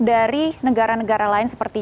dari negara negara lain seperti